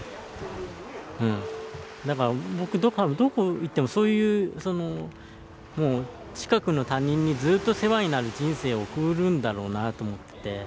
だから僕どこ行ってもそういうそのもう近くの他人にずっと世話になる人生を送るんだろうなと思っててうん。